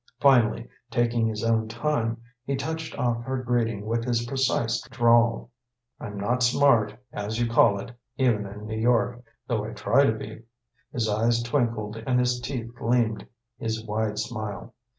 Finally, taking his own time, he touched off her greeting with his precise drawl. "I'm not smart, as you call it, even in New York, though I try to be." His eyes twinkled and his teeth gleamed in his wide smile.